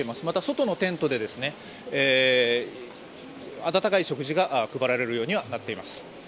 また、外のテントで温かい食事が配られるようにはなっています。